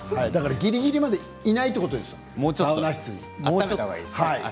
ぎりぎりまでいないということですよ。